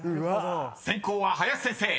［先攻は林先生］